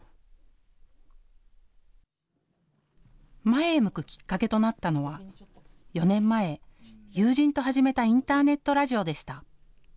前へ向くきっかけとなったのは４年前、友人と始めたインターネットラジオでした。